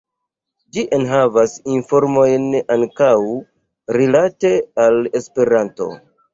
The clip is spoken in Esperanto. Ĝi enhavas informojn ankaŭ rilate al Esperanto.